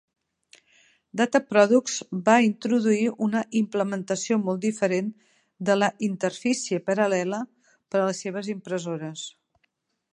Dataproducts va introduir una implementació molt diferent de la interfície paral·lela per a les seves impressores.